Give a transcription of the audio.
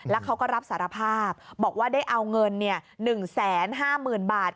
แล้วเขาก็รับสารภาพบอกว่าได้เอาเงิน๑๕๐๐๐บาท